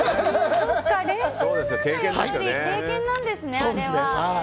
経験なんですね、あれは。